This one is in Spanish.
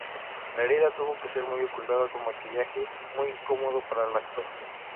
La herida tuvo que ser ocultada con maquillaje, muy incómodo para el actor.